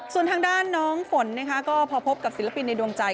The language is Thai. ส่วนทางด้านน้องฝนนะคะก็พอพบกับศิลปินในดวงใจ